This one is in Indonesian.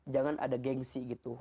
jangan ada gengsi gitu